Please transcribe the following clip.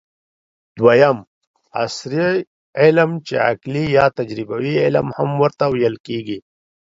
دویم : عصري علم چې عقلي یا تجربوي علم هم ورته ويل کېږي